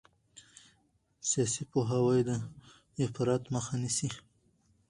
سیاسي پوهاوی د افراط مخه نیسي